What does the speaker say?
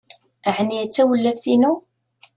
Ɛni d tawlaft-inu?